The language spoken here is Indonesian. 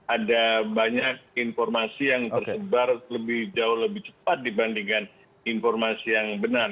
ada banyak informasi yang tersebar lebih jauh lebih cepat dibandingkan informasi yang benar